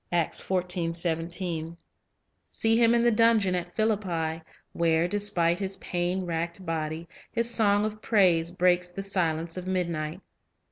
3 See him in the dungeon at Philippi, where, despite his pain racked body, his song of praise breaks the silence of midnight.